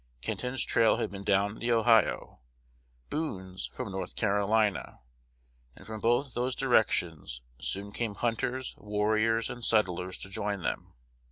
Kenton's trail had been down the Ohio, Boone's from North Carolina; and from both those directions soon came hunters, warriors, and settlers to join them.